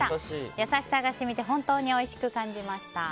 優しさが染みて本当においしく感じました。